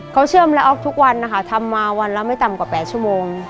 เขาเชื่อมและออกทุกวันนะคะทำมาวันละไม่ต่ำกว่า๘ชั่วโมง